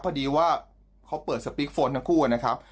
พอดีว่าเขาเปิดสปีกโฟนทั้งคู่นะครับ